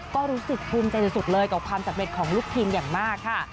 ก็รู้สึกภูมิใจสุดเลยกับความสำเร็จของลูกทีมอย่างมากค่ะ